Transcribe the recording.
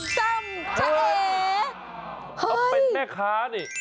เป็นแม่ค้าดิ